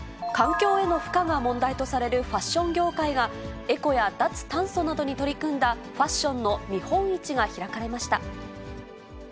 環境への負荷が問題とされるファッション業界が、エコや脱炭素などに取り組んだファッションの見本市が開かれました。